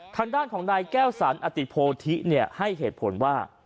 ทางด้านของนายแก้วสันอติโพธิให้เหตุผลว่า